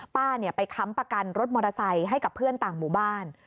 ป้าไปค้ำประกันรถมอเตอร์ไซค์ให้กับเพื่อนต่างหมู่บ้าน